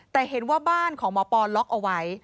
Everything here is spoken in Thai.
แต่เห็นว่าบ้านของหมอปอนล็อกเอาไว้